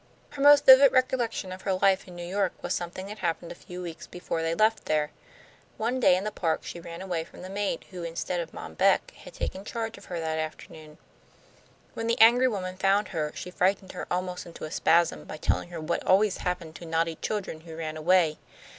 Her most vivid recollection of her life in New York was something that happened a few weeks before they left there. One day in the park she ran away from the maid, who, instead of Mom Beck, had taken charge of her that afternoon. When the angry woman found her, she frightened her almost into a spasm by telling her what always happened to naughty children who ran away.